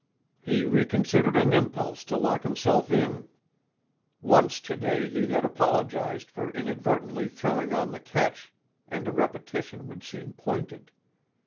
He reconsidered an impulse to lock himself in. Once to day he had apologized for inadvertently throwing on the catch and a repetition would seem pointed.